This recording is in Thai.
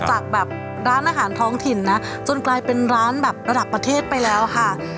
จากแบบร้านอาหารท้องถิ่นนะจนกลายเป็นร้านแบบระดับประเทศไปแล้วค่ะ